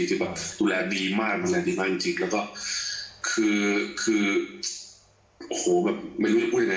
ที่แบบดูแลดีมากจริงแล้วก็คือไม่รู้จะพูดยังไง